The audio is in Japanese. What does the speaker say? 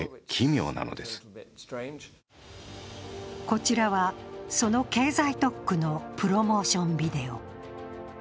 こちらは、その経済特区のプロモーションビデオ。